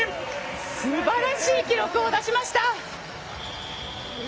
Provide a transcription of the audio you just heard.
すばらしい記録を出しました！